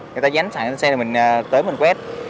người ta dán sẵn xe mình tới mình quét